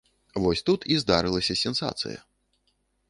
Вось тут і здарылася сенсацыя.